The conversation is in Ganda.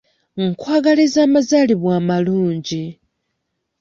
Nkwagaliza amazaalibwa amalungi.